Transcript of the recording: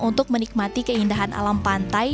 untuk menikmati keindahan alam pantai